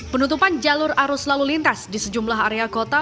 penutupan jalur arus lalu lintas di sejumlah area kota